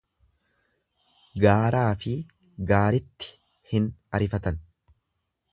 Gaaraafi gaaritti hin arifatan.